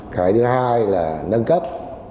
cái thứ hai là nâng cấp